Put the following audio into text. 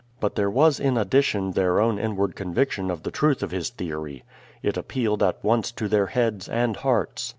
But there was in addition their own inward conviction of the truth of his theory. It appealed at once to their heads and hearts.